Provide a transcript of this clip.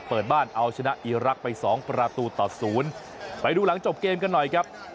เปิดบ้านเอาชนะอีรักษ์ไปสองประตูต่อศูนย์ไปดูหลังจบเกมกันหน่อยครับ